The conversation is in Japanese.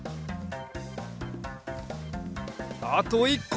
あと１こ！